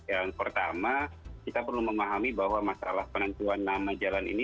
yang pertama kita perlu memahami bahwa masalah penentuan nama jalan ini